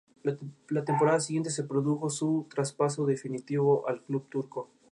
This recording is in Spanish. La temporada siguiente se produjo su traspaso definitivo al club turco.